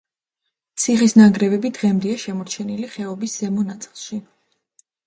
ციხის ნანგრევები დღემდეა შემორჩენილი ხეობის ზემო ნაწილში.